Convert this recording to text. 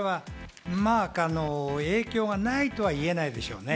影響がないとは言えないでしょうね。